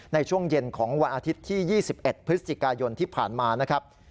ในช่วงเย็นของวันอาทิตย์ที่๒๑พฤศจิกายนที่ผ่านมานะครับ